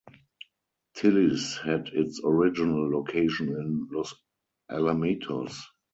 Tilly's had its original location in Los Alamitos.